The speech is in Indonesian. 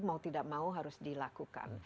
mau tidak mau harus dilakukan